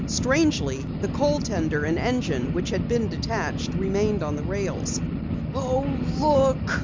Strangely, the coal tender and engine which had been detached, remained on the rails. "Oh, look!"